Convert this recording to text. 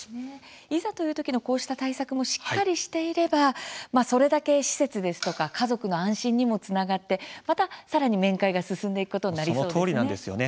いざという時の対策をしっかりしていればそれだけ施設ですとか家族の安心にもつながってさらに面会が進んでいくことにそのとおりです。